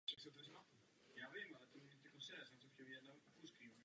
V šestidenní válce byly ztraceny čtyři letouny.